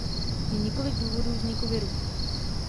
Je několik důvodů vzniku virů.